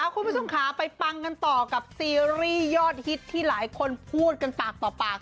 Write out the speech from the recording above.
คุณผู้ชมค่ะไปปังกันต่อกับซีรีส์ยอดฮิตที่หลายคนพูดกันปากต่อปาก